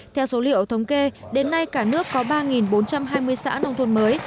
theo số liệu thống kê đến nay cả nước có ba bốn trăm hai mươi xã đồng thuận mới